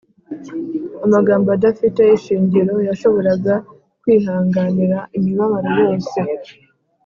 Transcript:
amagambo adafite ishingiro yashoboraga kwihanganira imibabaro yose